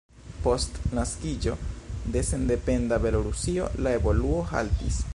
Post naskiĝo de sendependa Belorusio la evoluo haltis.